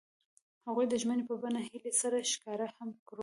هغوی د ژمنې په بڼه هیلې سره ښکاره هم کړه.